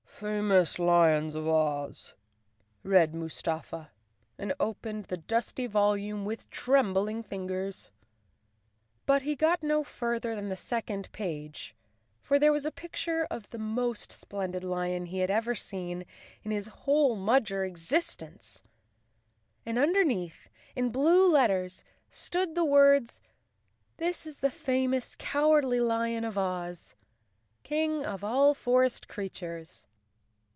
"Famous Lions of Oz," read Mustafa, and opened the dusty volume with trembling fingers. But he got no further than the second page, for there was a pic¬ ture of the most splendid lion he had ever seen in his whole Mudger existence, and underneath, in blue let¬ ters, stood the words "This is the famous Cowardly 24 Chapter One lion of Oz, King of all forest creatures."